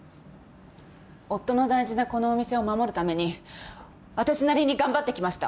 夫の大事なこのお店を守るためにあたしなりに頑張ってきました。